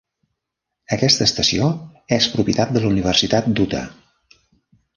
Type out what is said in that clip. Aquesta estació és propietat de la Universitat d'Utah.